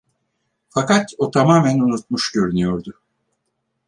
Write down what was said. Fakat o tamamen unutmuş görünüyordu.